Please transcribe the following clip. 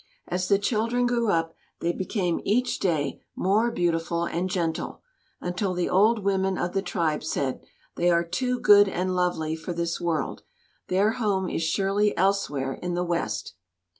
As the children grew up they became each day more beautiful and gentle, until the old women of the tribe said, "They are too good and lovely for this world; their home is surely elsewhere in the West."